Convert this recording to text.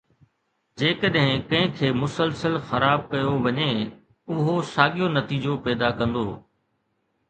جيڪڏهن ڪنهن کي مسلسل خراب ڪيو وڃي، اهو ساڳيو نتيجو پيدا ڪندو